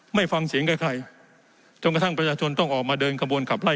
ไม่ฟังเสียงกับใครจนกระทั่งประชาชนต้องออกมาเดินกระบวนขับไล่